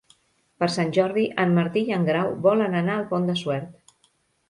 Per Sant Jordi en Martí i en Grau volen anar al Pont de Suert.